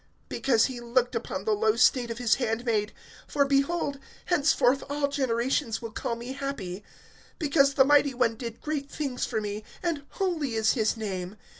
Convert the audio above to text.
(48)Because he looked upon the low estate of his handmaid; for, behold, henceforth all generations will call me happy. (49)Because the Mighty One did great things for me; and holy is his name.